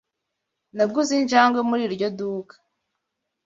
Naguze injangwe muri iryo duka.